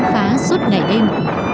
đang phá suốt ngày đêm